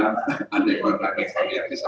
jadi kita mereka menjaga satu perasaan